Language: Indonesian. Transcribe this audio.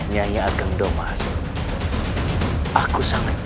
nyayah agang domas aku sangat berharap